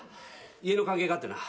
家の関係があってな。